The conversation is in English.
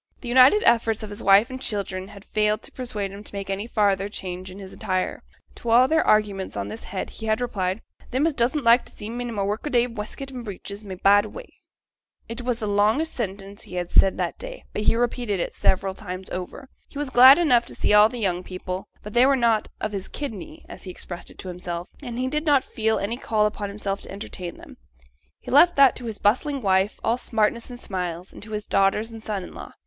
The united efforts of wife and children had failed to persuade him to make any farther change in his attire; to all their arguments on this head he had replied, 'Them as doesn't like t' see me i' my work a day wescut and breeches may bide away.' It was the longest sentence he said that day, but he repeated it several times over. He was glad enough to see all the young people, but they were not 'of his kidney,' as he expressed it to himself, and he did not feel any call upon himself to entertain them. He left that to his bustling wife, all smartness and smiles, and to his daughters and son in law.